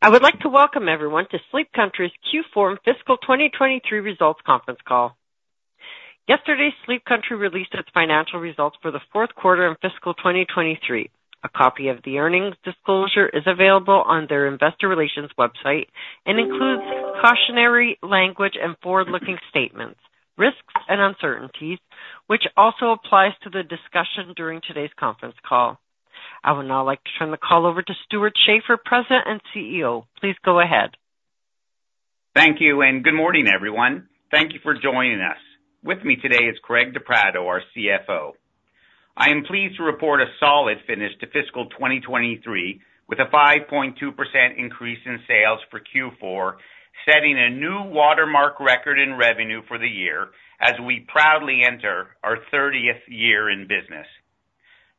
I would like to welcome everyone to Sleep Country's Q4 Fiscal 2023 Results Conference Call. Yesterday, Sleep Country released its financial results for the fourth quarter in fiscal 2023. A copy of the earnings disclosure is available on their investor relations website and includes cautionary language and forward-looking statements, risks, and uncertainties, which also applies to the discussion during today's conference call. I would now like to turn the call over to Stewart Schaefer, President and CEO. Please go ahead. Thank you, and good morning, everyone. Thank you for joining us. With me today is Craig De Pratto, our CFO. I am pleased to report a solid finish to fiscal 2023, with a 5.2% increase in sales for Q4, setting a new watermark record in revenue for the year, as we proudly enter our thirtieth year in business.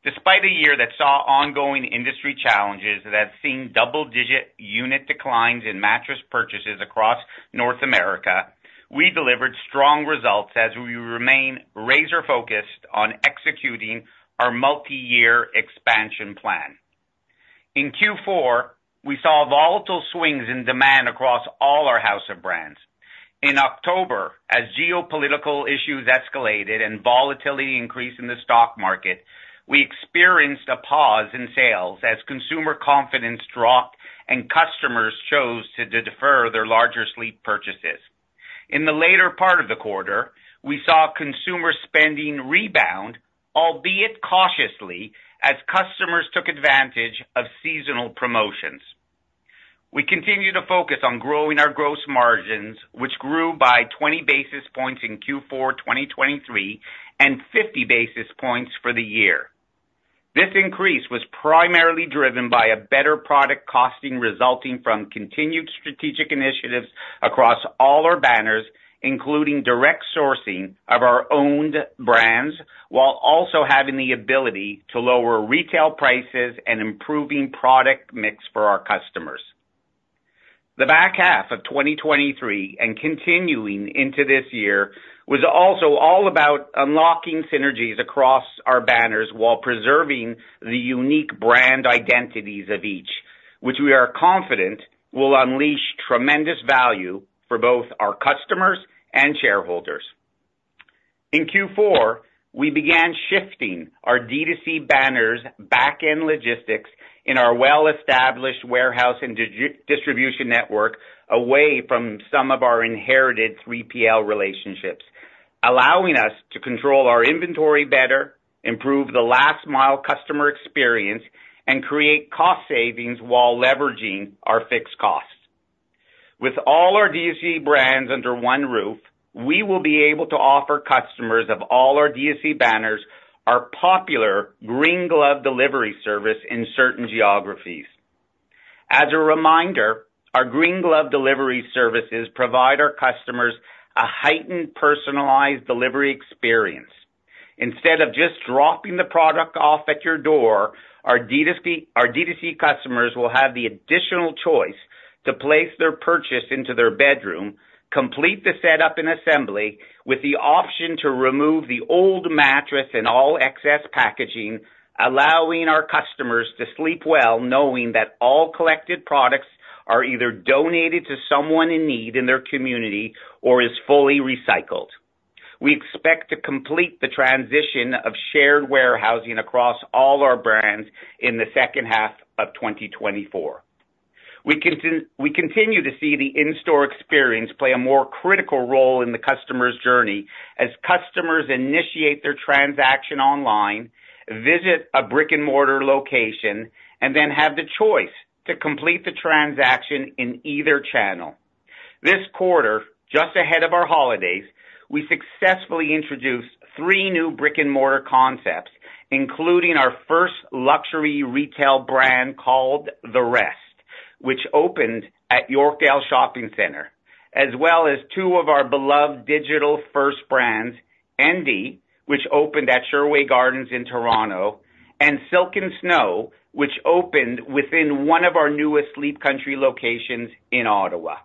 Despite a year that saw ongoing industry challenges that have seen double-digit unit declines in mattress purchases across North America, we delivered strong results as we remain razor-focused on executing our multi-year expansion plan. In Q4, we saw volatile swings in demand across all our house of brands. In October, as geopolitical issues escalated and volatility increased in the stock market, we experienced a pause in sales as consumer confidence dropped and customers chose to defer their larger sleep purchases. In the later part of the quarter, we saw consumer spending rebound, albeit cautiously, as customers took advantage of seasonal promotions. We continue to focus on growing our gross margins, which grew by 20 basis points in Q4 2023 and 50 basis points for the year. This increase was primarily driven by a better product costing, resulting from continued strategic initiatives across all our banners, including direct sourcing of our owned brands, while also having the ability to lower retail prices and improving product mix for our customers. The back half of 2023 and continuing into this year, was also all about unlocking synergies across our banners while preserving the unique brand identities of each, which we are confident will unleash tremendous value for both our customers and shareholders. In Q4, we began shifting our D2C banners back-end logistics in our well-established warehouse and digital distribution network, away from some of our inherited 3PL relationships, allowing us to control our inventory better, improve the last-mile customer experience, and create cost savings while leveraging our fixed costs. With all our D2C brands under one roof, we will be able to offer customers of all our D2C banners our popular Green Glove Delivery service in certain geographies. As a reminder, our Green Glove Delivery services provide our customers a heightened, personalized delivery experience. Instead of just dropping the product off at your door, our D2C, our D2C customers will have the additional choice to place their purchase into their bedroom, complete the setup and assembly, with the option to remove the old mattress and all excess packaging, allowing our customers to sleep well, knowing that all collected products are either donated to someone in need in their community or is fully recycled. We expect to complete the transition of shared warehousing across all our brands in the second half of 2024. We continue to see the in-store experience play a more critical role in the customer's journey as customers initiate their transaction online, visit a brick-and-mortar location, and then have the choice to complete the transaction in either channel. This quarter, just ahead of our holidays, we successfully introduced three new brick-and-mortar concepts, including our first luxury retail brand called The Rest, which opened at Yorkdale Shopping Centre, as well as two of our beloved digital-first brands, Endy, which opened at Sherway Gardens in Toronto, and Silk & Snow, which opened within one of our newest Sleep Country locations in Ottawa.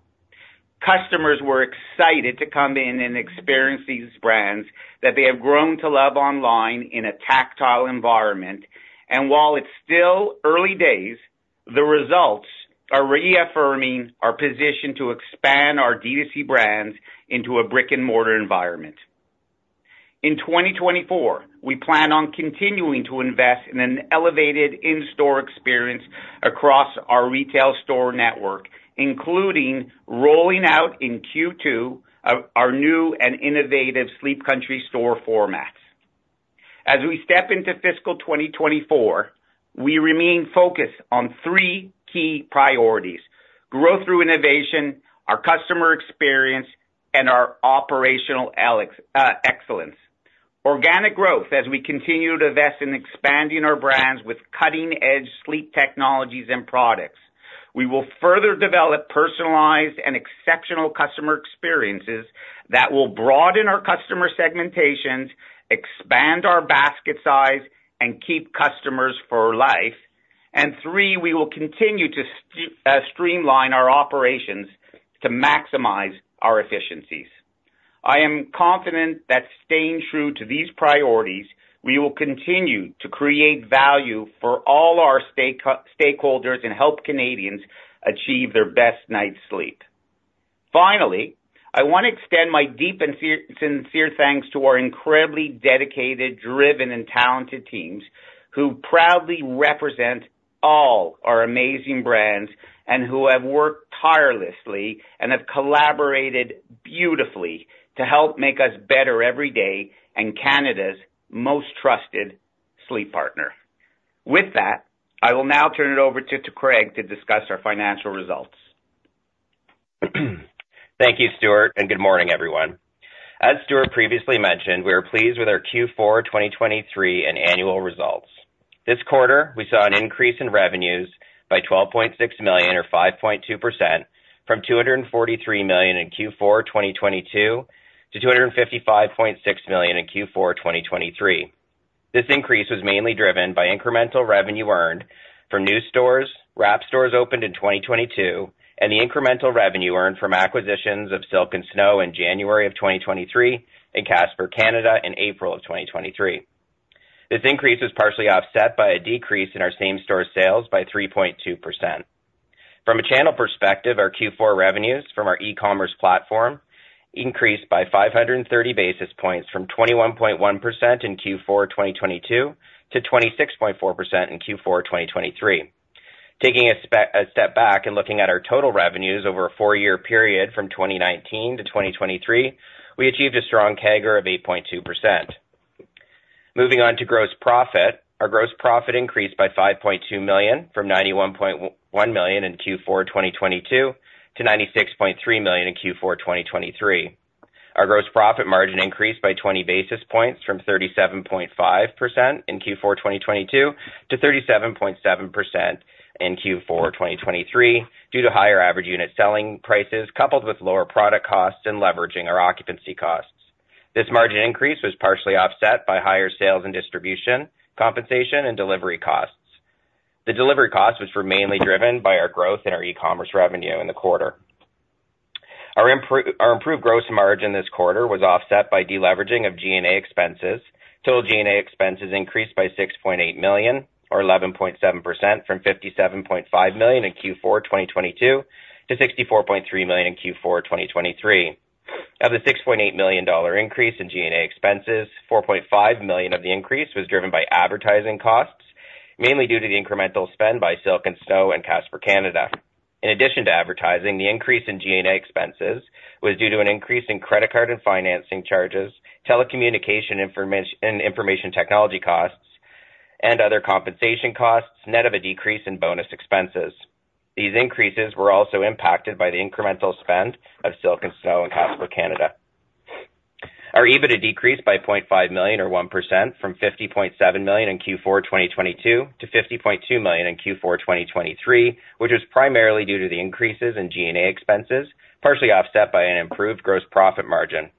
Customers were excited to come in and experience these brands that they have grown to love online in a tactile environment. And while it's still early days, the results are reaffirming our position to expand our D2C brands into a brick-and-mortar environment. In 2024, we plan on continuing to invest in an elevated in-store experience across our retail store network, including rolling out in Q2 our new and innovative Sleep Country store formats. As we step into fiscal 2024, we remain focused on three key priorities: growth through innovation, our customer experience, and our operational excellence. Organic growth, as we continue to invest in expanding our brands with cutting-edge sleep technologies and products. We will further develop personalized and exceptional customer experiences that will broaden our customer segmentations, expand our basket size, and keep customers for life. And three, we will continue to streamline our operations to maximize our efficiencies. I am confident that staying true to these priorities, we will continue to create value for all our stakeholders and help Canadians achieve their best night's sleep. Finally, I want to extend my deep and sincere, sincere thanks to our incredibly dedicated, driven, and talented teams, who proudly represent all our amazing brands and who have worked tirelessly and have collaborated beautifully to help make us better every day and Canada's most trusted sleep partner. With that, I will now turn it over to Craig to discuss our financial results. Thank you, Stewart, and good morning, everyone. As Stewart previously mentioned, we are pleased with our Q4 2023 and annual results. This quarter, we saw an increase in revenues by 12.6 million, or 5.2%, from 243 million in Q4 2022 to 255.6 million in Q4 2023. This increase was mainly driven by incremental revenue earned from new stores, wrap stores opened in 2022, and the incremental revenue earned from acquisitions of Silk & Snow in January of 2023 and Casper Canada in April of 2023. This increase is partially offset by a decrease in our same-store sales by 3.2%. From a channel perspective, our Q4 revenues from our e-commerce platform increased by 530 basis points from 21.1% in Q4 2022 to 26.4% in Q4 2023. Taking a step back and looking at our total revenues over a four-year period from 2019 to 2023, we achieved a strong CAGR of 8.2%. Moving on to gross profit. Our gross profit increased by 5.2 million, from 91.1 million in Q4 2022 to 96.3 million in Q4 2023. Our gross profit margin increased by 20 basis points from 37.5% in Q4 2022 to 37.7% in Q4 2023, due to higher average unit selling prices, coupled with lower product costs and leveraging our occupancy costs. This margin increase was partially offset by higher sales and distribution, compensation, and delivery costs. The delivery costs, which were mainly driven by our growth in our e-commerce revenue in the quarter. Our improved gross margin this quarter was offset by deleveraging of G&A expenses. Total G&A expenses increased by 6.8 million, or 11.7%, from 57.5 million in Q4 2022 to 64.3 million in Q4 2023. Of the 6.8 million dollar increase in G&A expenses, 4.5 million of the increase was driven by advertising costs, mainly due to the incremental spend by Silk & Snow and Casper Canada. In addition to advertising, the increase in G&A expenses was due to an increase in credit card and financing charges, telecommunication and information technology costs, and other compensation costs, net of a decrease in bonus expenses. These increases were also impacted by the incremental spend of Silk & Snow and Casper Canada. Our EBITDA decreased by 0.5 million, or 1%, from 50.7 million in Q4 2022 to 50.2 million in Q4 2023, which was primarily due to the increases in G&A expenses, partially offset by an improved gross profit margin.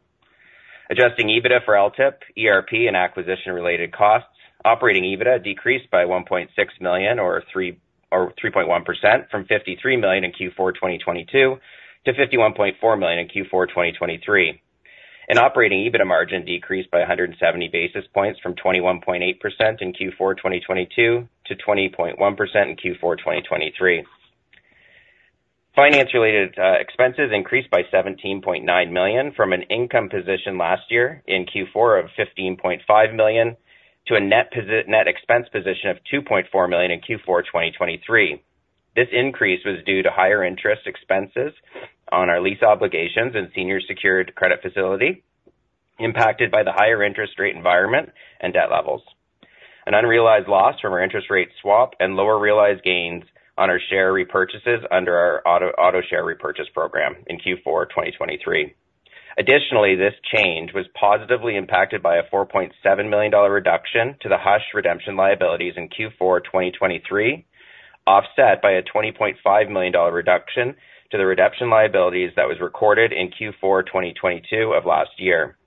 Adjusting EBITDA for LTIP, ERP, and acquisition-related costs, operating EBITDA decreased by 1.6 million or 3- or 3.1% from 53 million in Q4 2022 to 51.4 million in Q4 2023, and operating EBITDA margin decreased by 170 basis points from 21.8% in Q4 2022 to 20.1% in Q4 2023. Finance-related expenses increased by 17.9 million from an income position last year in Q4 of 15.5 million to a net expense position of 2.4 million in Q4 2023. This increase was due to higher interest expenses on our lease obligations and senior secured credit facility, impacted by the higher interest rate environment and debt levels. An unrealized loss from our interest rate swap and lower realized gains on our share repurchases under our auto share repurchase program in Q4 2023. Additionally, this change was positively impacted by a 4.7 million dollar reduction to the Hush redemption liabilities in Q4 2023, offset by a 20.5 million dollar reduction to the redemption liabilities that was recorded in Q4 2022 of last year.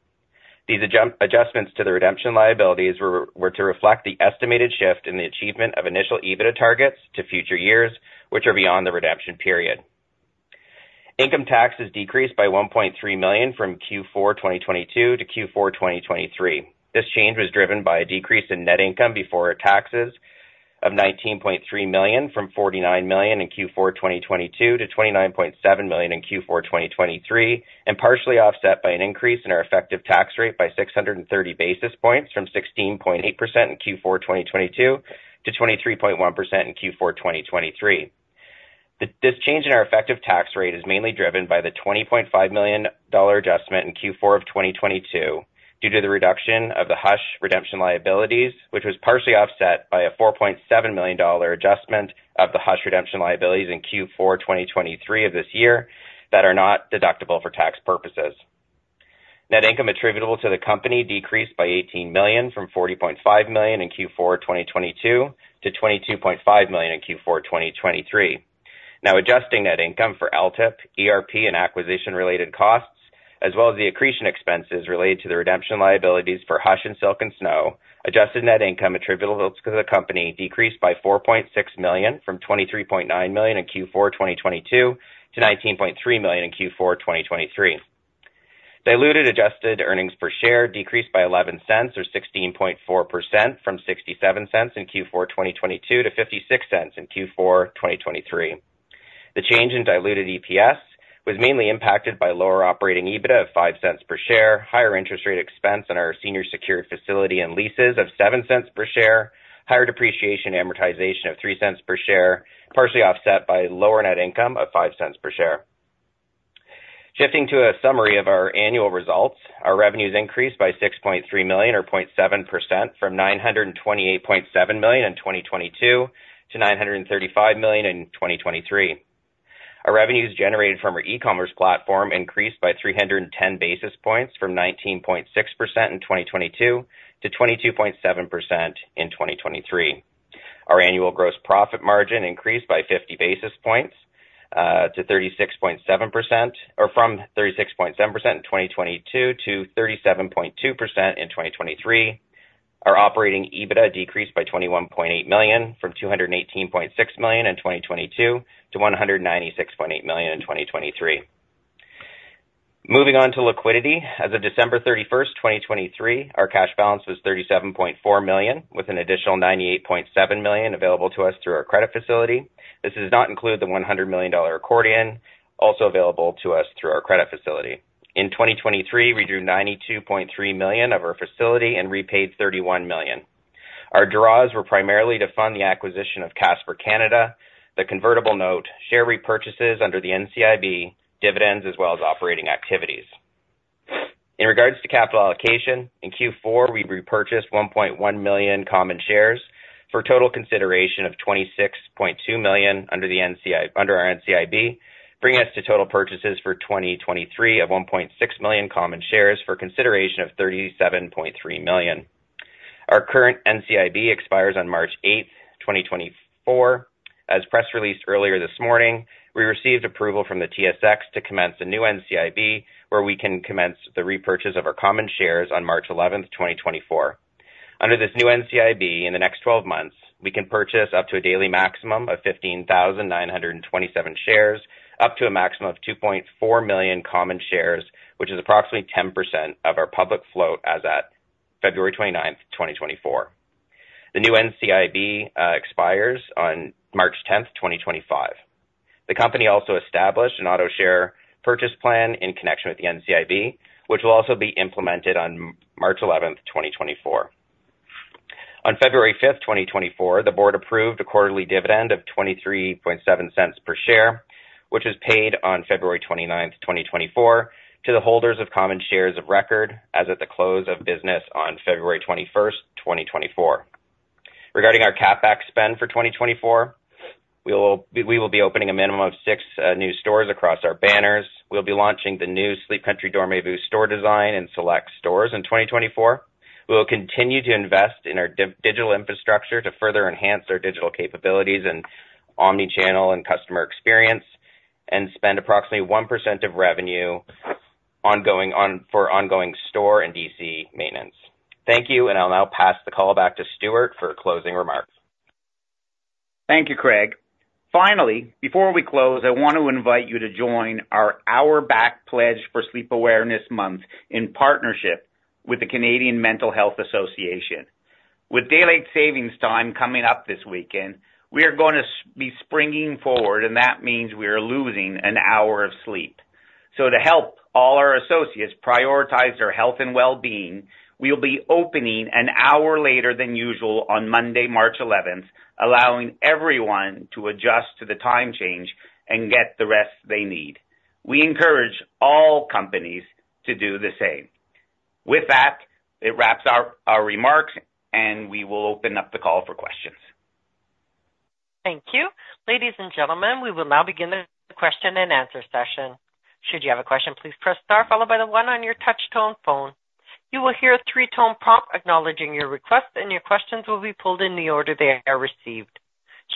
These adjustments to the redemption liabilities were to reflect the estimated shift in the achievement of initial EBITDA targets to future years, which are beyond the redemption period. Income taxes decreased by 1.3 million from Q4 2022 to Q4 2023. This change was driven by a decrease in net income before taxes of 19.3 million from 49 million in Q4 2022 to 29.7 million in Q4 2023, and partially offset by an increase in our effective tax rate by 630 basis points from 16.8% in Q4 2022 to 23.1% in Q4 2023. This change in our effective tax rate is mainly driven by the 20.5 million dollar adjustment in Q4 2022 due to the reduction of the Hush redemption liabilities, which was partially offset by a 4.7 million dollar adjustment of the Hush redemption liabilities in Q4 2023 of this year that are not deductible for tax purposes. Net income attributable to the company decreased by 18 million from 40.5 million in Q4 2022 to 22.5 million in Q4 2023. Now, adjusting net income for LTIP, ERP, and acquisition-related costs, as well as the accretion expenses related to the redemption liabilities for Hush and Silk & Snow, adjusted net income attributable to the company decreased by 4.6 million from 23.9 million in Q4 2022 to 19.3 million in Q4 2023. Diluted adjusted earnings per share decreased by 0.11, or 16.4% from 0.67 in Q4 2022 to 0.56 in Q4 2023. The change in diluted EPS was mainly impacted by lower operating EBITDA of 0.05 per share, higher interest rate expense on our senior secured facility and leases of 0.07 per share, higher depreciation amortization of 0.03 per share, partially offset by lower net income of 0.05 per share. Shifting to a summary of our annual results, our revenues increased by 6.3 million, or 0.7%, from 928.7 million in 2022 to 935 million in 2023. Our revenues generated from our e-commerce platform increased by 310 basis points from 19.6% in 2022 to 22.7% in 2023. Our annual gross profit margin increased by 50 basis points to 36.7%, or from 36.7% in 2022 to 37.2% in 2023. Our operating EBITDA decreased by 21.8 million, from 218.6 million in 2022 to 196.8 million in 2023. Moving on to liquidity. As of December 31st, 2023, our cash balance was 37.4 million, with an additional 98.7 million available to us through our credit facility. This does not include the 100 million dollar accordion also available to us through our credit facility. In 2023, we drew 92.3 million of our facility and repaid 31 million. Our draws were primarily to fund the acquisition of Casper Canada, the convertible note, share repurchases under the NCIB, dividends, as well as operating activities. In regards to capital allocation, in Q4, we repurchased 1.1 million common shares for a total consideration of 26.2 million under our NCIB, bringing us to total purchases for 2023 of 1.6 million common shares for consideration of 37.3 million. Our current NCIB expires on March 8th, 2024. As press released earlier this morning, we received approval from the TSX to commence a new NCIB, where we can commence the repurchase of our common shares on March 11th, 2024. Under this new NCIB, in the next twelve months, we can purchase up to a daily maximum of 15,927 shares, up to a maximum of 2.4 million common shares, which is approximately 10% of our public float as at February 29th, 2024. The new NCIB expires on March 10th, 2025. The company also established an Auto Share Purchase Plan in connection with the NCIB, which will also be implemented on March 11th, 2024. On February 5th, 2024, the board approved a quarterly dividend of 0.237 per share, which was paid on February 29th, 2024, to the holders of common shares of record, as at the close of business on February 21st, 2024. Regarding our CapEx spend for 2024, we will be opening a minimum of six new stores across our banners. We'll be launching the new Sleep Country Dormez-vous store design in select stores in 2024. We will continue to invest in our digital infrastructure to further enhance our digital capabilities and omni-channel and customer experience, and spend approximately 1% of revenue on ongoing store and DC maintenance. Thank you, and I'll now pass the call back to Stewart for closing remarks. Thank you, Craig. Finally, before we close, I want to invite you to join our Hour Back Pledge for Sleep Awareness Month in partnership with the Canadian Mental Health Association. With daylight saving time coming up this weekend, we are going to be springing forward, and that means we are losing an hour of sleep. So to help all our associates prioritize their health and well-being, we'll be opening an hour later than usual on Monday, March 11th, allowing everyone to adjust to the time change and get the rest they need. We encourage all companies to do the same. With that, it wraps up our remarks, and we will open up the call for questions. Thank you. Ladies and gentlemen, we will now begin the question and answer session. Should you have a question, please press star followed by the one on your touch tone phone. You will hear a three-tone prompt acknowledging your request, and your questions will be pulled in the order they are received.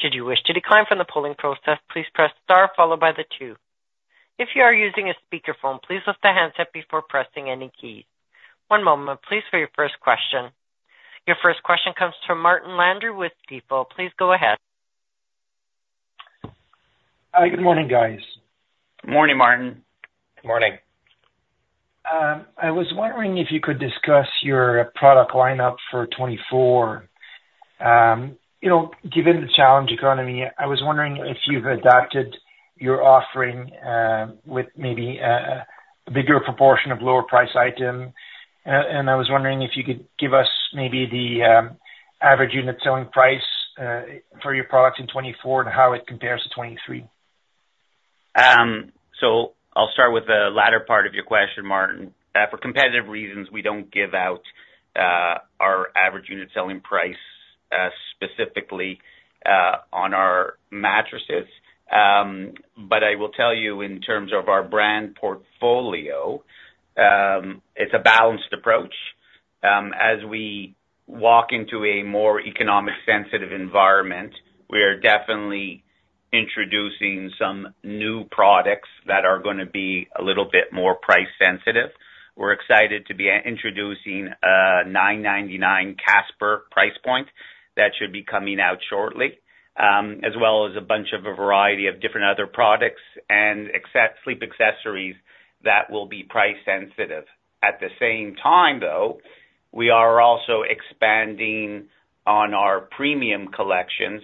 Should you wish to decline from the polling process, please press star followed by the two. If you are using a speakerphone, please lift the handset before pressing any keys. One moment, please, for your first question. Your first question comes from Martin Landry with Stifel GMP. Please go ahead. Good morning, guys. Morning, Martin. Morning. I was wondering if you could discuss your product lineup for 2024. You know, given the challenged economy, I was wondering if you've adapted your offering with maybe a bigger proportion of lower price item. And I was wondering if you could give us maybe the average unit selling price for your products in 2024 and how it compares to 2023. So I'll start with the latter part of your question, Martin. For competitive reasons, we don't give out our average unit selling price, specifically, on our mattresses. But I will tell you in terms of our brand portfolio, it's a balanced approach. As we walk into a more economic-sensitive environment, we are definitely introducing some new products that are gonna be a little bit more price sensitive. We're excited to be introducing a 999 Casper price point that should be coming out shortly, as well as a bunch of a variety of different other products and sleep accessories that will be price sensitive. At the same time, though, we are also expanding on our premium collections,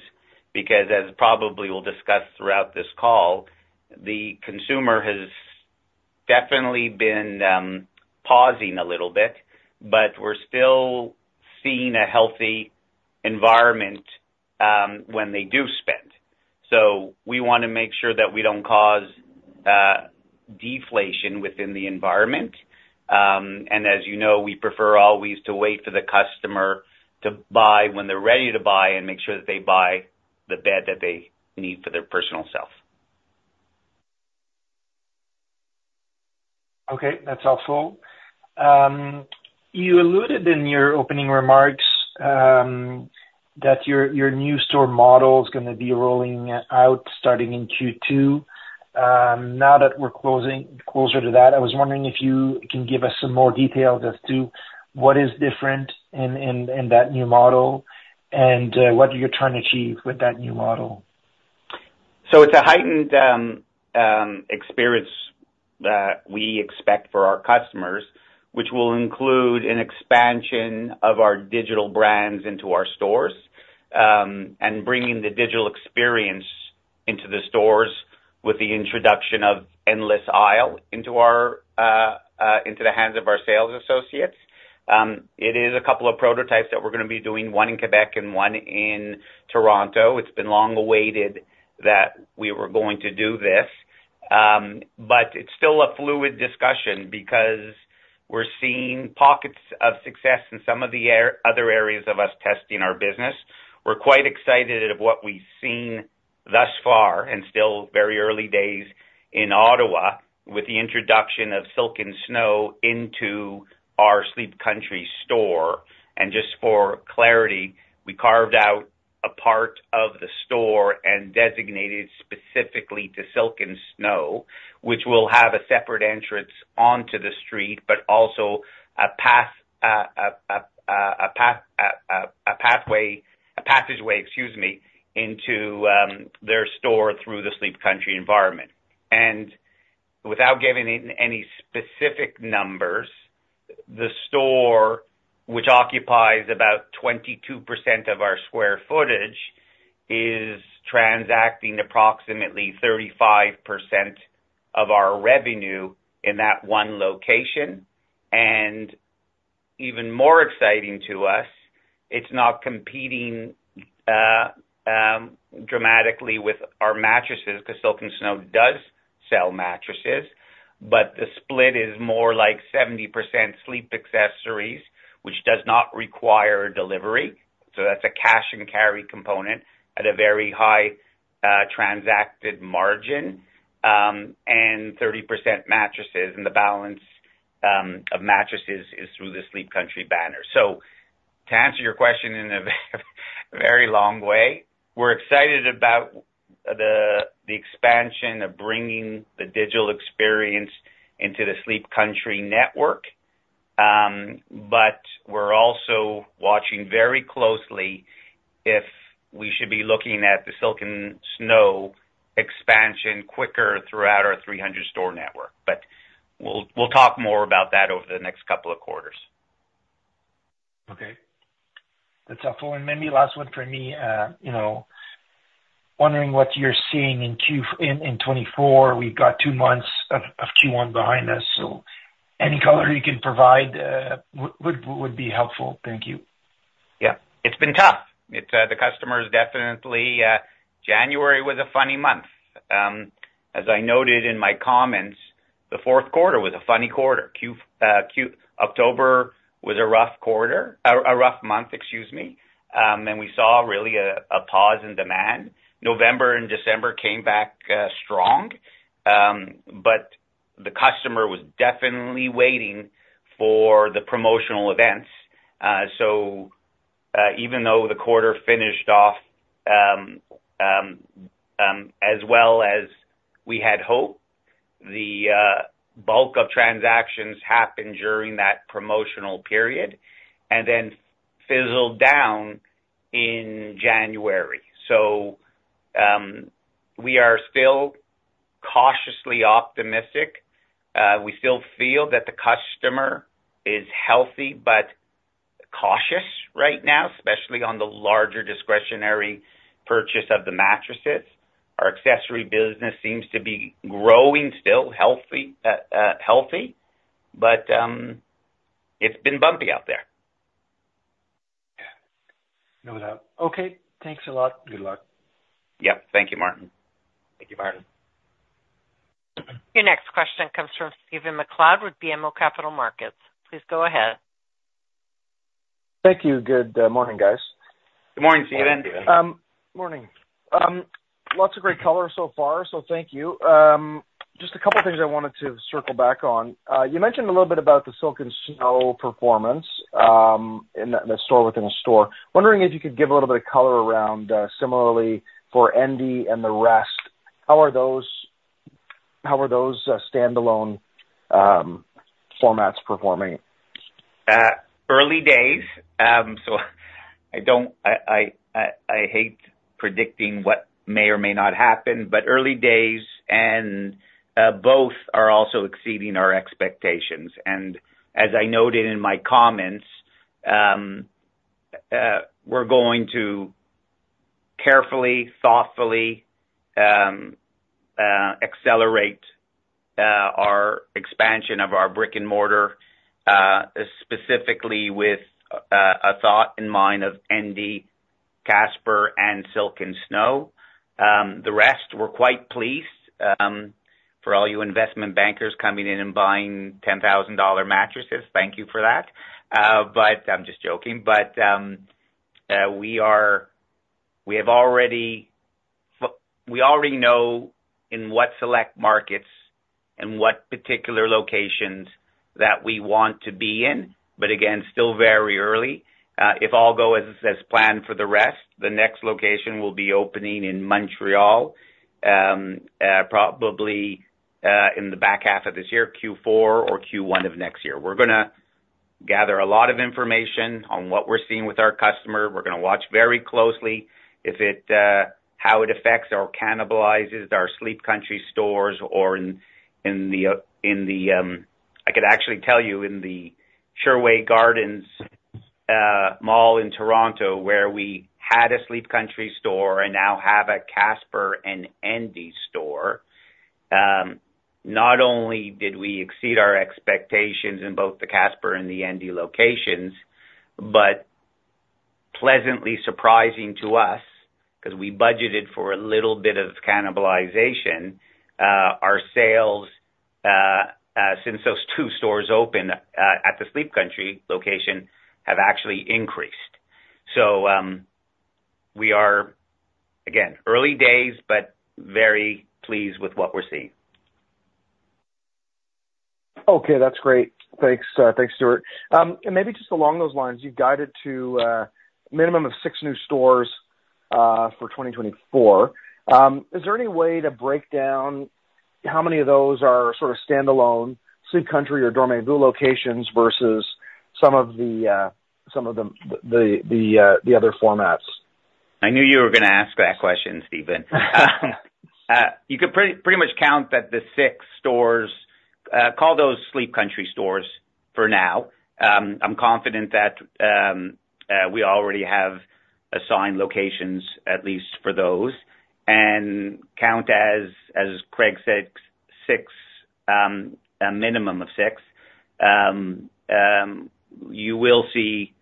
because as probably we'll discuss throughout this call, the consumer has definitely been pausing a little bit, but we're still seeing a healthy environment when they do spend. So we wanna make sure that we don't cause deflation within the environment. And as you know, we prefer always to wait for the customer to buy when they're ready to buy and make sure that they buy the bed that they need for their personal self. Okay, that's helpful. You alluded in your opening remarks that your new store model is gonna be rolling out starting in Q2. Now that we're closer to that, I was wondering if you can give us some more detail as to what is different in that new store model, and what you're trying to achieve with that new store model? So it's a heightened experience that we expect for our customers, which will include an expansion of our digital brands into our stores, and bringing the digital experience into the stores with the introduction of Endless Aisle into the hands of our sales associates. It is a couple of prototypes that we're gonna be doing, one in Quebec and one in Toronto. It's been long awaited that we were going to do this. But it's still a fluid discussion because we're seeing pockets of success in some of the other areas of our testing our business. We're quite excited at what we've seen thus far, and still very early days in Ottawa, with the introduction of Silk & Snow into our Sleep Country store. And just for clarity, we carved out a part of the store and designated specifically to Silk & Snow, which will have a separate entrance onto the street, but also a passageway into their store through the Sleep Country environment. Without giving any specific numbers, the store, which occupies about 22% of our square footage, is transacting approximately 35% of our revenue in that one location. And even more exciting to us, it's not competing dramatically with our mattresses, 'cause Silk & Snow does sell mattresses, but the split is more like 70% sleep accessories, which does not require delivery, so that's a cash and carry component at a very high transacted margin, and 30% mattresses, and the balance of mattresses is through the Sleep Country banner. So to answer your question in a very long way, we're excited about the expansion of bringing the digital experience into the Sleep Country network. But we're also watching very closely if we should be looking at the Silk & Snow expansion quicker throughout our 300-store network. But we'll talk more about that over the next couple of quarters. Okay. That's helpful. And maybe last one for me, you know, wondering what you're seeing in Q1 in 2024. We've got two months of Q1 behind us, so any color you can provide would be helpful. Thank you. Yeah. It's been tough. The customers definitely... January was a funny month. As I noted in my comments, the fourth quarter was a funny quarter. October was a rough quarter, a rough month, excuse me, and we saw really a pause in demand. November and December came back strong, but the customer was definitely waiting for the promotional events. So, even though the quarter finished off as well as we had hoped, the bulk of transactions happened during that promotional period, and then fizzled down in January. So, we are still cautiously optimistic. We still feel that the customer is healthy but cautious right now, especially on the larger discretionary purchase of the mattresses. Our accessory business seems to be growing, still healthy, but it's been bumpy out there. Yeah. No doubt. Okay, thanks a lot. Good luck. Yep. Thank you, Martin. Thank you, Martin. Your next question comes from Stephen MacLeod with BMO Capital Markets. Please go ahead. Thank you. Good morning, guys. Good morning, Stephen. Morning, Steven. Morning. Lots of great color so far, so thank you. Just a couple of things I wanted to circle back on. You mentioned a little bit about the Silk & Snow performance in the store within a store. Wondering if you could give a little bit of color around similarly for Endy and The Rest, how are those standalone formats performing? Early days. So I hate predicting what may or may not happen, but early days, and both are also exceeding our expectations. And as I noted in my comments, we're going to carefully, thoughtfully accelerate our expansion of our brick-and-mortar, specifically with a thought in mind of Endy, Casper and Silk & Snow. The Rest, we're quite pleased for all you investment bankers coming in and buying 10,000-dollar mattresses. Thank you for that. But I'm just joking. But we already know in what select markets and what particular locations that we want to be in, but again, still very early. If all go as planned for The Rest, the next location will be opening in Montreal, probably in the back half of this year, Q4 or Q1 of next year. We're gonna gather a lot of information on what we're seeing with our customer. We're gonna watch very closely if it how it affects or cannibalizes our Sleep Country stores or in the... I could actually tell you in the Sherway Gardens mall in Toronto, where we had a Sleep Country store and now have a Casper and Endy store. Not only did we exceed our expectations in both the Casper and the Endy locations, but pleasantly surprising to us, 'cause we budgeted for a little bit of cannibalization, our sales since those two stores opened at the Sleep Country location have actually increased. So, we are again early days, but very pleased with what we're seeing. Okay, that's great. Thanks. Thanks, Stewart. Maybe just along those lines, you've guided to a minimum of six new stores for 2024. Is there any way to break down how many of those are sort of standalone Sleep Country or Dormez-vous locations versus some of the other formats? I knew you were gonna ask that question, Stephen. You could pretty much count that the 6 stores, call those Sleep Country stores for now. I'm confident that we already have assigned locations, at least for those, and count as, as Craig said, 6, a minimum of 6. You will see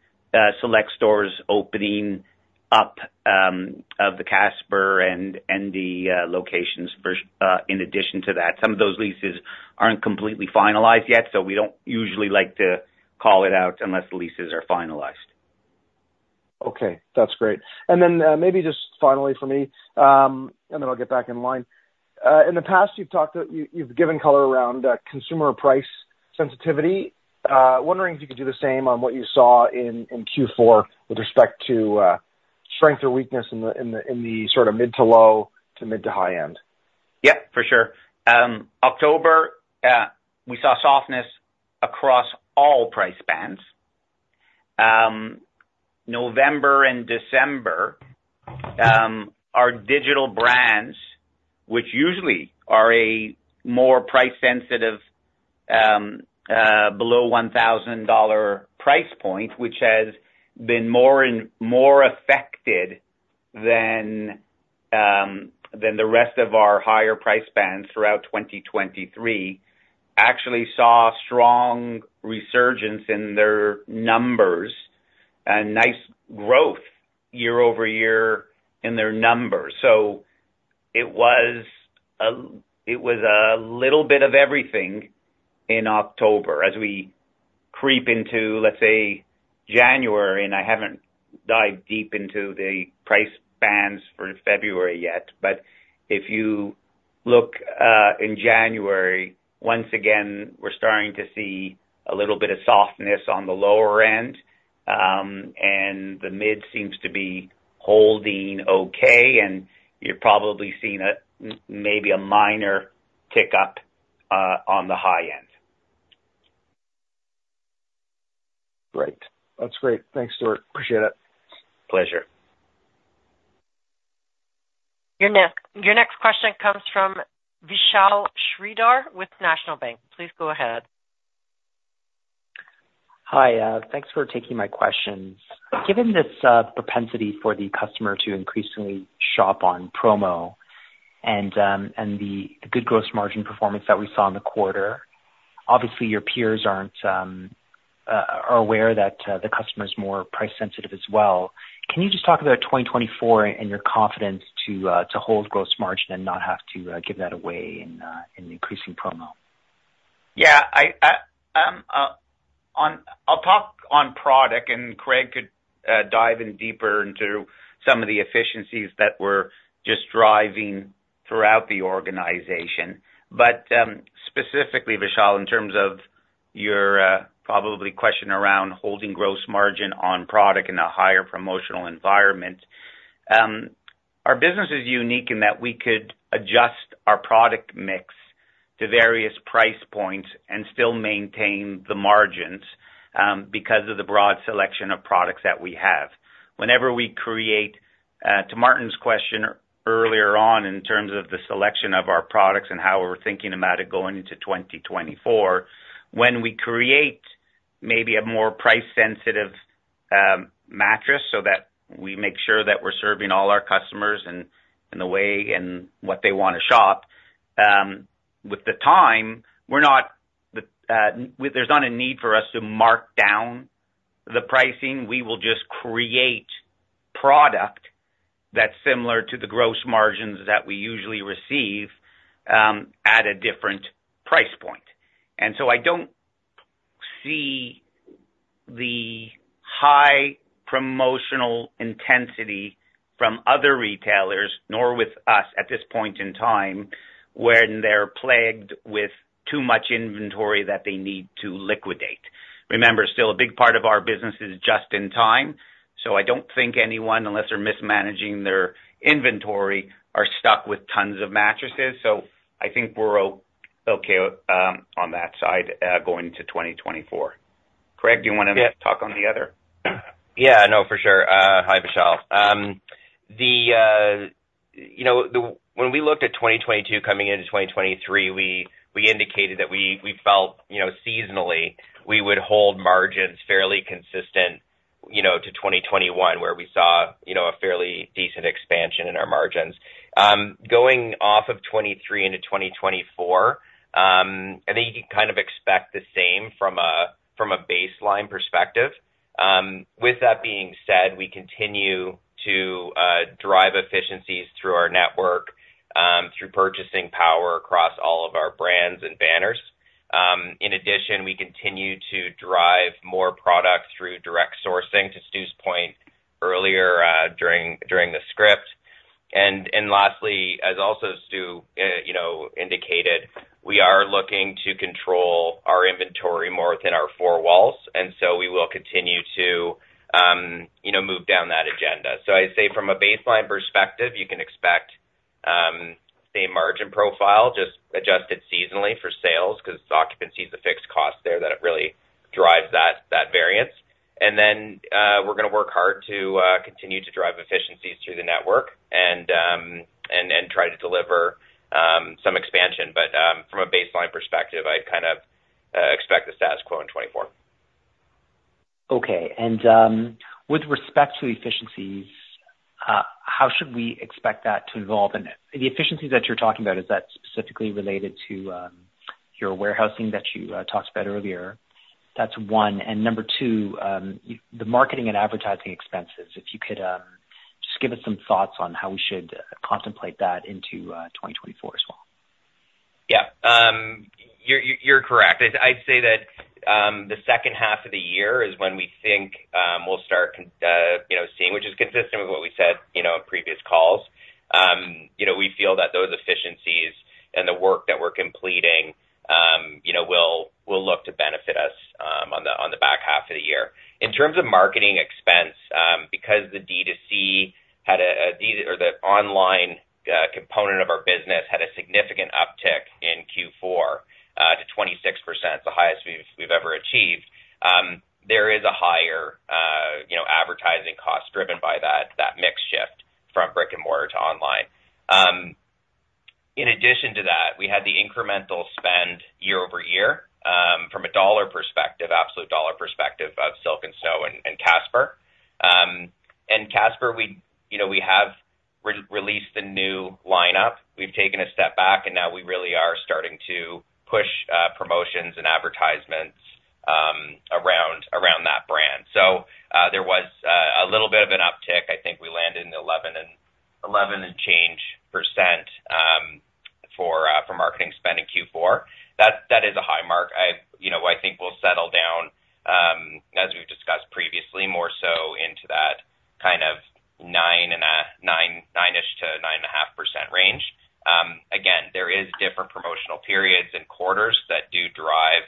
select stores opening up of the Casper and the locations in addition to that. Some of those leases aren't completely finalized yet, so we don't usually like to call it out unless the leases are finalized. Okay, that's great. And then, maybe just finally for me, and then I'll get back in line. In the past, you've given color around consumer price sensitivity. Wondering if you could do the same on what you saw in Q4 with respect to strength or weakness in the sort of mid- to low- to mid- to high-end. Yep, for sure. October, we saw softness across all price bands. November and December, our digital brands, which usually are a more price sensitive, below 1,000 dollar price point, which has been more and more affected than the rest of our higher price bands throughout 2023, actually saw strong resurgence in their numbers and nice growth year-over-year in their numbers. So it was a little bit of everything in October as we creep into, let's say, January, and I haven't dived deep into the price bands for February yet. But if you look, in January, once again, we're starting to see a little bit of softness on the lower end, and the mid seems to be holding okay, and you're probably seeing maybe a minor tick up on the high end. Great. That's great. Thanks, Stewart. Appreciate it. Pleasure. Your next question comes from Vishal Shreedhar with National Bank. Please go ahead. Hi, thanks for taking my questions. Given this propensity for the customer to increasingly shop on promo and the good gross margin performance that we saw in the quarter, obviously, your peers are aware that the customer is more price sensitive as well. Can you just talk about 2024 and your confidence to hold gross margin and not have to give that away in increasing promo? Yeah, I'll talk on product and Craig could dive in deeper into some of the efficiencies that we're just driving throughout the organization. But specifically, Vishal, in terms of your probably question around holding gross margin on product in a higher promotional environment. Our business is unique in that we could adjust our product mix to various price points and still maintain the margins, because of the broad selection of products that we have. Whenever we create, to Martin's question earlier on in terms of the selection of our products and how we're thinking about it going into 2024. When we create maybe a more price sensitive mattress, so that we make sure that we're serving all our customers in the way and what they wanna shop with the time, we're not; there's not a need for us to mark down the pricing. We will just create product that's similar to the gross margins that we usually receive at a different price point. And so I don't see the high promotional intensity from other retailers, nor with us at this point in time, when they're plagued with too much inventory that they need to liquidate. Remember, still a big part of our business is just in time, so I don't think anyone, unless they're mismanaging their inventory, are stuck with tons of mattresses. So I think we're okay on that side going into 2024. Craig, do you wanna talk on the other? Yeah, no, for sure. Hi, Vishal. You know, when we looked at 2022 coming into 2023, we indicated that we felt, you know, seasonally, we would hold margins fairly consistent, you know, to 2021, where we saw, you know, a fairly decent expansion in our margins. Going off of 2023 into 2024, I think you can kind of expect the same from a baseline perspective. With that being said, we continue to drive efficiencies through our network, through purchasing power across all of our brands and banners. In addition, we continue to drive more product through direct sourcing, to Stu's point earlier, during the script. And lastly, as Stu also indicated, we are looking to control our inventory more within our four walls, and so we will continue to, you know, move down that agenda. So I'd say from a baseline perspective, you can expect same margin profile, just adjusted seasonally for sales, because occupancy is a fixed cost there, that it really drives that variance. And then, we're gonna work hard to continue to drive efficiencies through the network and try to deliver some expansion. But from a baseline perspective, I'd kind of expect the status quo in 2024. Okay. And with respect to efficiencies, how should we expect that to evolve? And the efficiencies that you're talking about, is that specifically related to your warehousing that you talked about earlier? That's one. And number two, the marketing and advertising expenses, if you could just give us some thoughts on how we should contemplate that into 2024 as well. Yeah. You're correct. I'd say that the second half of the year is when we think we'll start you know seeing, which is consistent with what we said you know in previous calls. You know, we feel that those efficiencies and the work that we're completing you know will look to benefit us on the back half of the year. In terms of marketing expense, because the D2C or the online component of our business had a significant uptick in Q4 to 26%, the highest we've ever achieved, there is a higher you know advertising cost driven by that mix shift from brick-and-mortar to online. In addition to that, we had the incremental spend year-over-year from a dollar perspective, absolute dollar perspective of Silk & Snow and Casper. And Casper, we, you know, we have re-released a new lineup. We've taken a step back, and now we really are starting to push promotions and advertisements around that brand. So, there was a little bit of an uptick. I think we landed in 11 and change% for marketing spend in Q4. That is a high mark. You know, I think we'll settle down, as we've discussed previously, more so into that kind of 9 and a 9, 9-ish to 9.5% range. Again, there is different promotional periods and quarters that do drive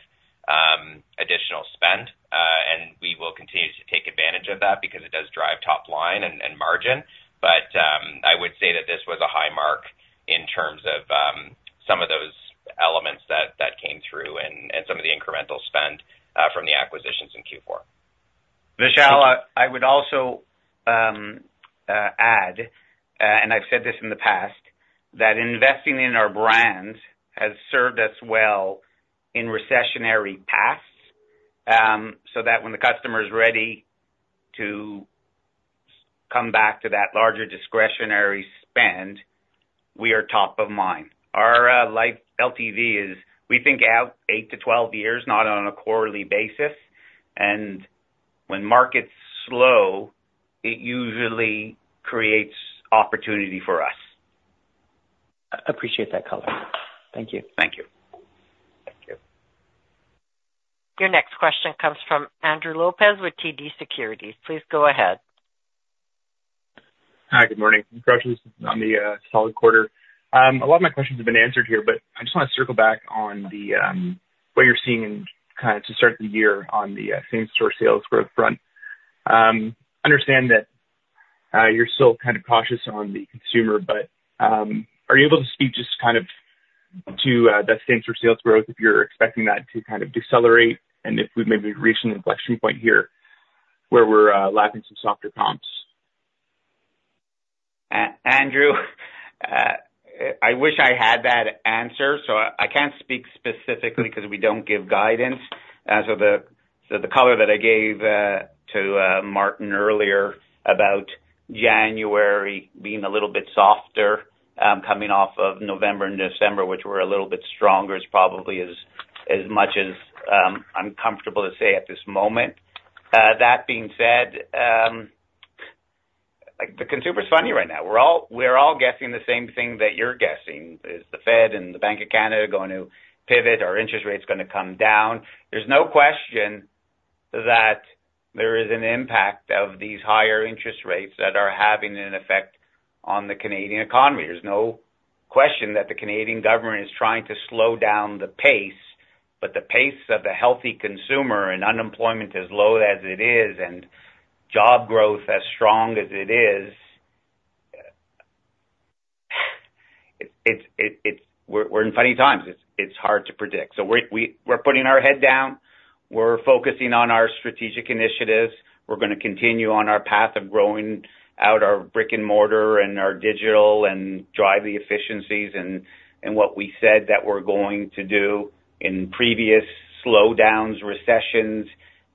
additional spend, and we will continue to take advantage of that because it does drive top line and, and margin. But, I would say that this was a high mark in terms of some of those elements that, that came through and, and some of the incremental spend from the acquisitions in Q4. Vishal, I would also add, and I've said this in the past, that investing in our brands has served us well in recessionary paths, so that when the customer's ready to come back to that larger discretionary spend, we are top of mind. Our life LTV is, we think, out 8-12 years, not on a quarterly basis. And when markets slow, it usually creates opportunity for us. Appreciate that color. Thank you. Thank you. Thank you. Your next question comes from Andrew Lopez with TD Securities. Please go ahead.... Hi, good morning. Congratulations on the solid quarter. A lot of my questions have been answered here, but I just wanna circle back on the what you're seeing in kind of to start the year on the same-store sales growth front. Understand that you're still kind of cautious on the consumer, but are you able to speak just kind of to the same-store sales growth, if you're expecting that to kind of decelerate, and if we've maybe reached an inflection point here, where we're lacking some softer comps? Andrew, I wish I had that answer, so I can't speak specifically because we don't give guidance. The color that I gave to Martin earlier about January being a little bit softer, coming off of November and December, which were a little bit stronger, is probably as much as I'm comfortable to say at this moment. That being said, like, the consumer's funny right now. We're all guessing the same thing that you're guessing, is the Fed and the Bank of Canada going to pivot? Are interest rates gonna come down? There's no question that there is an impact of these higher interest rates that are having an effect on the Canadian economy. There's no question that the Canadian government is trying to slow down the pace, but the pace of the healthy consumer and unemployment as low as it is, and job growth as strong as it is, we're in funny times. It's hard to predict. So we're putting our head down. We're focusing on our strategic initiatives. We're gonna continue on our path of growing out our brick-and-mortar and our digital and drive the efficiencies and what we said that we're going to do. In previous slowdowns, recessions,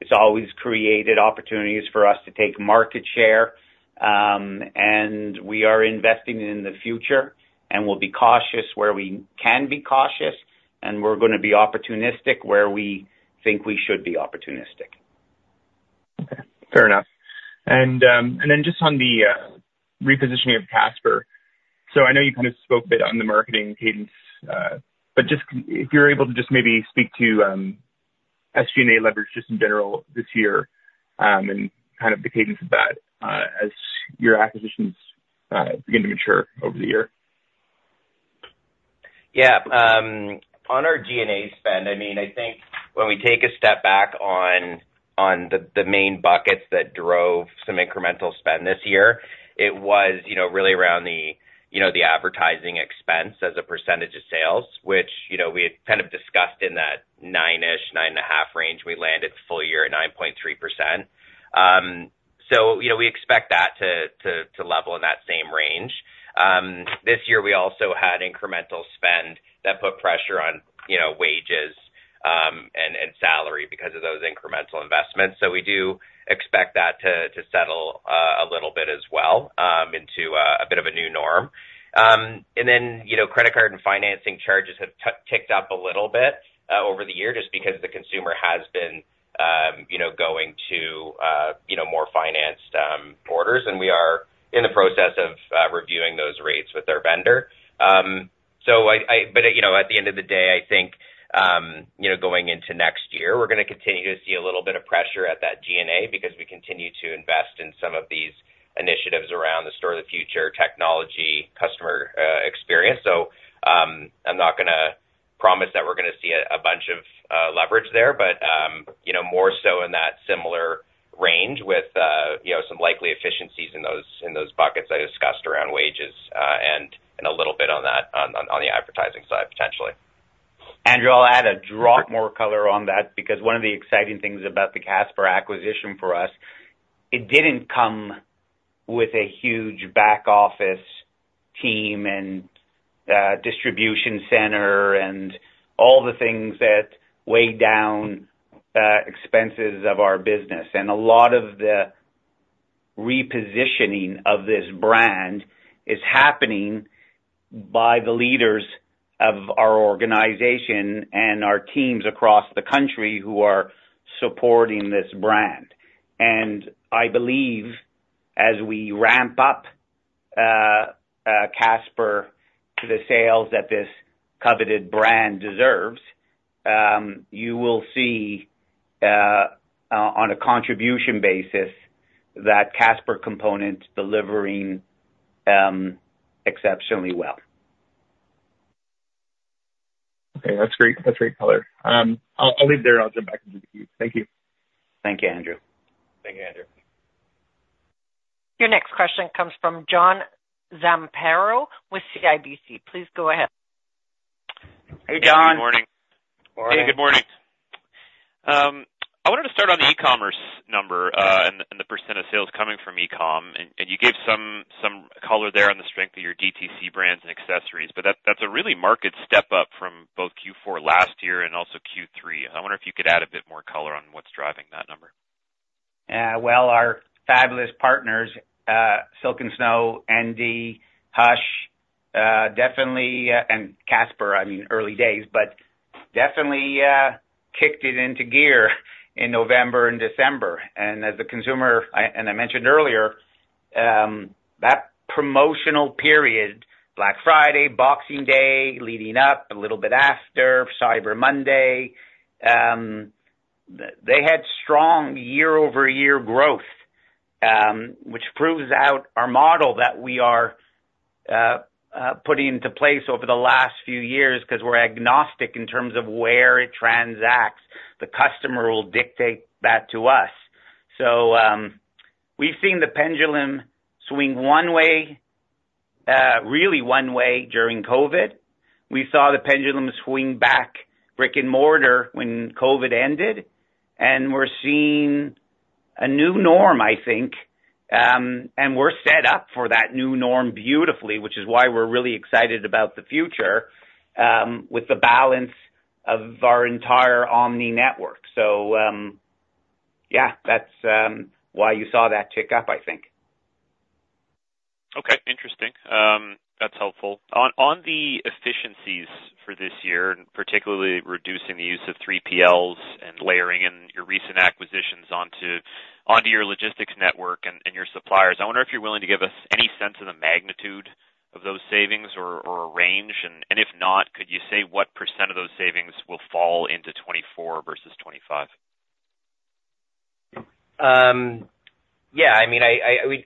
it's always created opportunities for us to take market share, and we are investing in the future, and we'll be cautious where we can be cautious, and we're gonna be opportunistic where we think we should be opportunistic. Okay, fair enough. And, and then just on the repositioning of Casper. So I know you kind of spoke a bit on the marketing cadence, but just if you're able to just maybe speak to, SG&A leverage just in general this year, and kind of the cadence of that, as your acquisitions begin to mature over the year. Yeah. On our G&A spend, I mean, I think when we take a step back on the main buckets that drove some incremental spend this year, it was, you know, really around the advertising expense as a percentage of sales, which, you know, we had kind of discussed in that 9-ish, 9.5 range. We landed full year at 9.3%. So, you know, we expect that to level in that same range. This year we also had incremental spend that put pressure on wages and salary because of those incremental investments. So we do expect that to settle a little bit as well into a bit of a new norm. And then, you know, credit card and financing charges have ticked up a little bit over the year, just because the consumer has been, you know, going to more financed orders, and we are in the process of reviewing those rates with our vendor. So, but, you know, at the end of the day, I think, you know, going into next year, we're gonna continue to see a little bit of pressure at that G&A, because we continue to invest in some of these initiatives around the store of the future, technology, customer experience. So, I'm not gonna promise that we're gonna see a bunch of leverage there, but you know, more so in that similar range with you know, some likely efficiencies in those buckets I discussed around wages, and a little bit on that on the advertising side, potentially. Andrew, I'll add a drop more color on that, because one of the exciting things about the Casper acquisition for us. It didn't come with a huge back office team and, distribution center and all the things that weigh down, expenses of our business. And a lot of the repositioning of this brand is happening by the leaders of our organization and our teams across the country who are supporting this brand. And I believe as we ramp up, Casper to the sales that this coveted brand deserves, you will see, on a contribution basis, that Casper component delivering, exceptionally well. Okay. That's great. That's great color. I'll leave there and I'll jump back into the queue. Thank you. Thank you, Andrew. Thank you, Andrew. Your next question comes from John Zamparo with CIBC. Please go ahead. Hey, John. Good morning. Morning. Hey, good morning. I wanted to start on the e-commerce number, and the percentage of sales coming from e-com, and you gave some color there on the strength of your D2C brands and accessories, but that's a remarkable step up from both Q4 last year and also Q3. I wonder if you could add a bit more color on what's driving that number. Well, our fabulous partners, Silk & Snow, Endy, Hush, definitely, and Casper, I mean, early days, but definitely kicked it into gear in November and December. And as a consumer, I... And I mentioned earlier, that promotional period, Black Friday, Boxing Day, leading up, a little bit after, Cyber Monday... They had strong year-over-year growth, which proves out our model that we are putting into place over the last few years, 'cause we're agnostic in terms of where it transacts. The customer will dictate that to us. So, we've seen the pendulum swing one way, really one way during COVID. We saw the pendulum swing back, brick-and-mortar, when COVID ended, and we're seeing a new norm, I think. We're set up for that new norm beautifully, which is why we're really excited about the future, with the balance of our entire omni network. Yeah, that's why you saw that tick up, I think. Okay, interesting. That's helpful. On, on the efficiencies for this year, and particularly reducing the use of 3PLs and layering in your recent acquisitions onto, onto your logistics network and, and your suppliers, I wonder if you're willing to give us any sense of the magnitude of those savings or, or a range? And, and if not, could you say what % of those savings will fall into 2024 versus 2025? Yeah, I mean, we--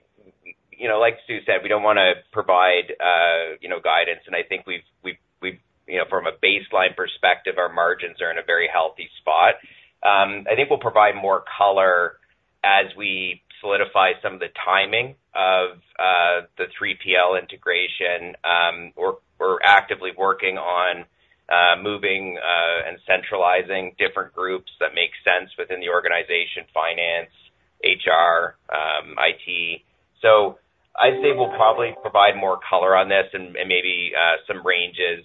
you know, like Stu said, we don't wanna provide, you know, guidance, and I think we've-- you know, from a baseline perspective, our margins are in a very healthy spot. I think we'll provide more color as we solidify some of the timing of the 3PL integration. We're actively working on moving and centralizing different groups that make sense within the organization, finance, HR, IT. So I'd say we'll probably provide more color on this and, and maybe some ranges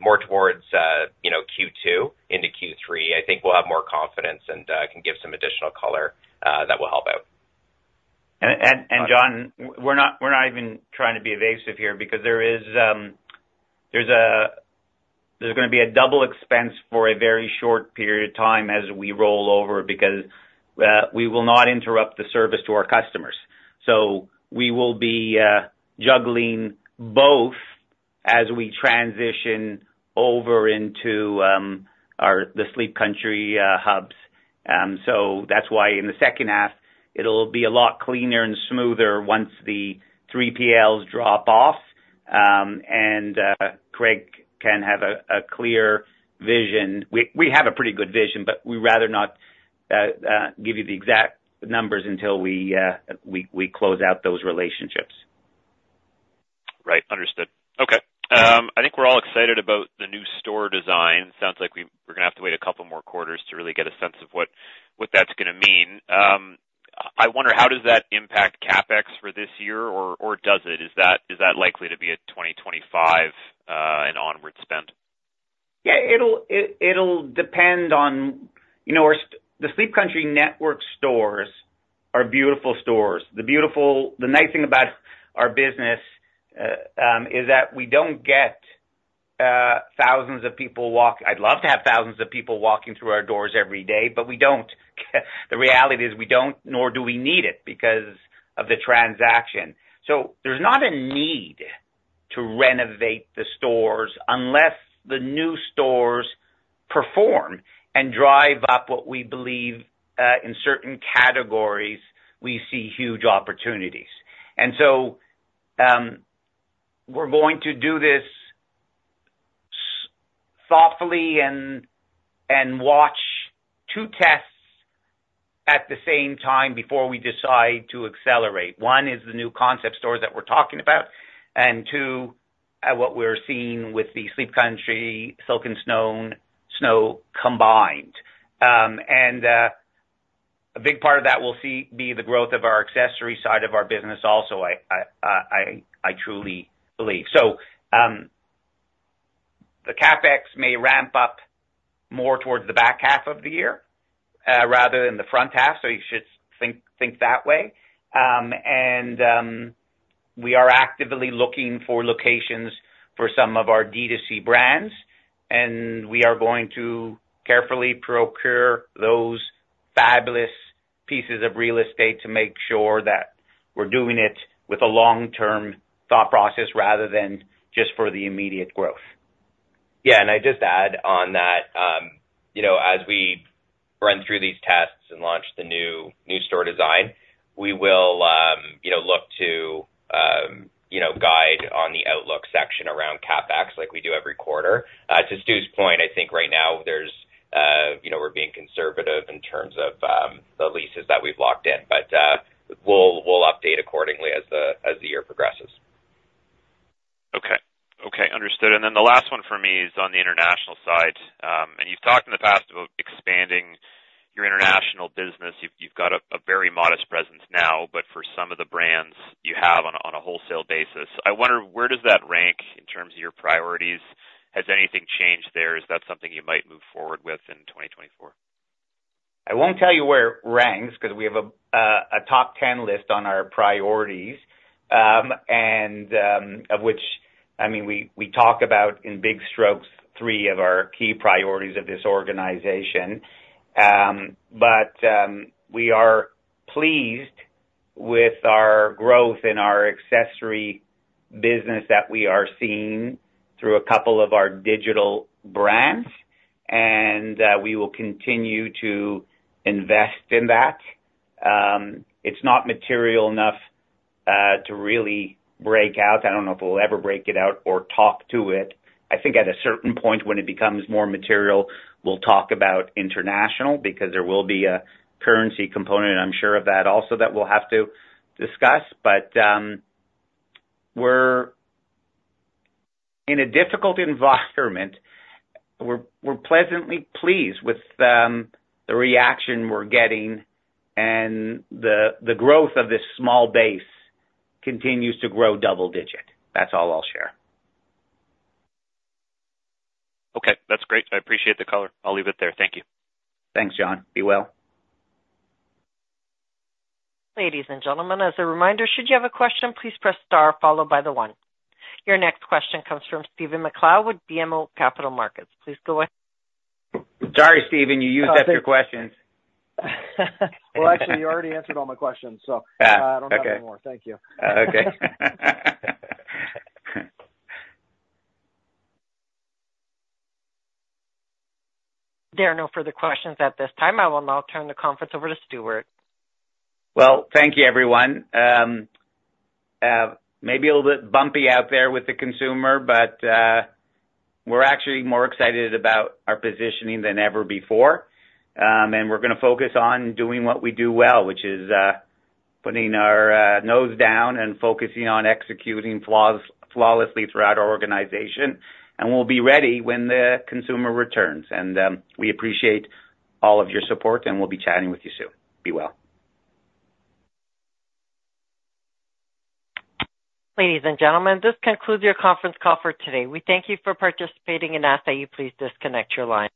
more towards, you know, Q2 into Q3. I think we'll have more confidence and can give some additional color that will help out. John, we're not even trying to be evasive here, because there is, there's gonna be a double expense for a very short period of time as we roll over, because we will not interrupt the service to our customers. So we will be juggling both as we transition over into the Sleep Country hubs. So that's why in the second half, it'll be a lot cleaner and smoother once the 3PLs drop off, and Craig can have a clear vision. We have a pretty good vision, but we'd rather not give you the exact numbers until we close out those relationships. Right. Understood. Okay. I think we're all excited about the new store design. Sounds like we're gonna have to wait a couple more quarters to really get a sense of what, what that's gonna mean. I wonder, how does that impact CapEx for this year or, or does it? Is that likely to be a 2025 and onward spend? Yeah, it'll depend on... You know, our stores, the Sleep Country network stores are beautiful stores. The nice thing about our business is that we don't get thousands of people walking through our doors every day, but we don't. The reality is we don't, nor do we need it, because of the transaction. So there's not a need to renovate the stores, unless the new stores perform and drive up what we believe in certain categories, we see huge opportunities. And so, we're going to do this thoughtfully and watch two tests at the same time before we decide to accelerate. One, is the new concept stores that we're talking about, and two, what we're seeing with the Sleep Country, Silk & Snow combined. A big part of that will be the growth of our accessory side of our business also. I truly believe. So, the CapEx may ramp up more towards the back half of the year, rather than the front half, so you should think that way. We are actively looking for locations for some of our D2C brands, and we are going to carefully procure those fabulous pieces of real estate to make sure that we're doing it with a long-term thought process, rather than just for the immediate growth. Yeah, and I'd just add on that, you know, as we run through these tests and launch the new store design, we will, you know, look to, you know, guide on the outlook section around CapEx, like we do every quarter. To Stu's point, I think right now there's, you know, we're being conservative in terms of, the leases that we've locked in, but, we'll update accordingly as the year progresses. Okay. Okay, understood. And then the last one for me is on the international side. And you've talked in the past about expanding your international business. You've got a very modest presence now, but for some of the brands you have on a wholesale basis, I wonder, where does that rank in terms of your priorities? Has anything changed there? Is that something you might move forward with in 2024? I won't tell you where it ranks, 'cause we have a top 10 list on our priorities, and of which - I mean, we talk about in big strokes, three of our key priorities of this organization. But we are pleased with our growth in our accessory business that we are seeing through a couple of our digital brands, and we will continue to invest in that. It's not material enough to really break out. I don't know if we'll ever break it out or talk to it. I think at a certain point when it becomes more material, we'll talk about international, because there will be a currency component, I'm sure of that also, that we'll have to discuss. But we're in a difficult environment. We're pleasantly pleased with the reaction we're getting and the growth of this small base continues to grow double digit. That's all I'll share. Okay, that's great. I appreciate the color. I'll leave it there. Thank you. Thanks, John. Be well. Ladies and gentlemen, as a reminder, should you have a question, please press star followed by the one. Your next question comes from Stephen MacLeod with BMO Capital Markets. Please go ahead. Sorry, Stephen, you used up your questions. Well, actually, you already answered all my questions, so- Ah, okay. I don't have any more. Thank you. Okay. There are no further questions at this time. I will now turn the conference over to Stewart. Well, thank you, everyone. Maybe a little bit bumpy out there with the consumer, but we're actually more excited about our positioning than ever before. We're gonna focus on doing what we do well, which is putting our nose down and focusing on executing flawlessly throughout our organization. We'll be ready when the consumer returns. We appreciate all of your support, and we'll be chatting with you soon. Be well. Ladies and gentlemen, this concludes your conference call for today. We thank you for participating and ask that you please disconnect your line.